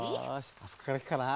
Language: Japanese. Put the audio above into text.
あそこからいくかな。